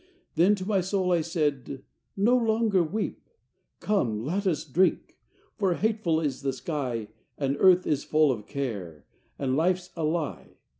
XI Then to my soul I said, "No longer weep. Come, let us drink; for hateful is the sky, And earth is full of care, and life's a lie.